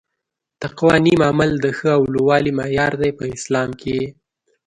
تقوا نيک عمل د ښه او لووالي معیار دي په اسلام کي